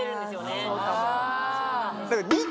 あそうかも。